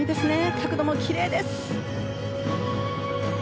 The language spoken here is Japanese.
角度もきれいです。